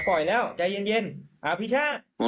ผ่อนเตียบใจเย็น